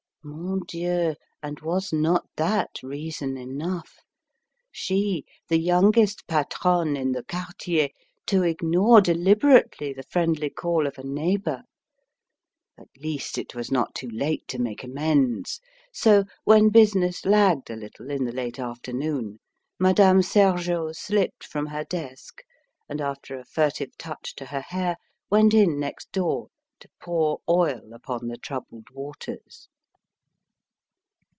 Mon Dieu! and was not that reason enough? She, the youngest patronne in the quartier, to ignore deliberately the friendly call of a neighbour! At least it was not too late to make amends. So, when business lagged a little in the late afternoon, Madame Sergeot slipped from her desk, and, after a furtive touch to her hair, went in next door, to pour oil upon the troubled waters.